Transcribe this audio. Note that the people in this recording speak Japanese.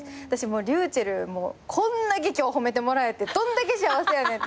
ｒｙｕｃｈｅｌｌこんだけ今日褒めてもらえてどんだけ幸せやねんって。